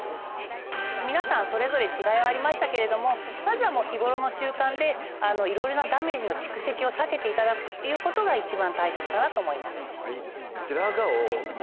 皆さんそれぞれ違いはありましたけれどもまずはもう日頃の習慣でいろいろなダメージの蓄積を避けていただくということが一番大切かなと思います。